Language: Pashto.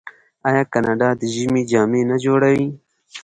آیا کاناډا د ژمي جامې نه جوړوي؟